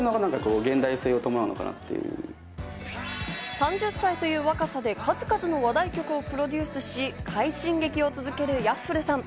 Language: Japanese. ３０歳という若さで数々の話題曲をプロデュースし、快進撃を続けるＹａｆｆｌｅさん。